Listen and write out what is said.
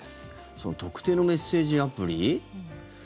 その特定のメッセージアプリ？